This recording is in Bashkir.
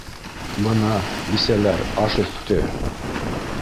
Бына, бисәләр, аш өҫтө